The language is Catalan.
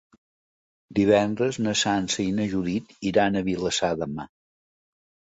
Divendres na Sança i na Judit iran a Vilassar de Mar.